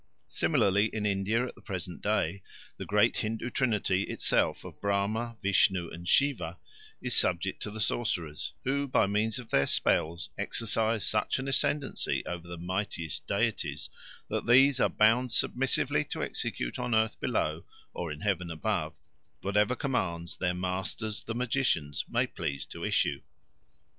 Similarly in India at the present day the great Hindoo trinity itself of Brahma, Vishnu, and Siva is subject to the sorcerers, who, by means of their spells, exercise such an ascendency over the mightiest deities, that these are bound submissively to execute on earth below, or in heaven above, whatever commands their masters the magicians may please to issue.